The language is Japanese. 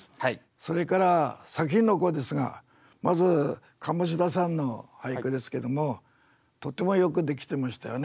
それから作品の方ですがまずカモシダさんの俳句ですけどもとってもよくできてましたよね。